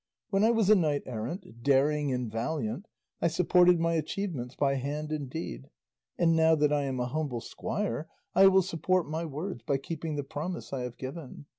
When I was a knight errant, daring and valiant, I supported my achievements by hand and deed, and now that I am a humble squire I will support my words by keeping the promise I have given.